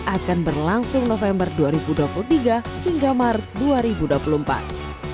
akan berlangsung november dua ribu dua puluh tiga hingga maret dua ribu dua puluh empat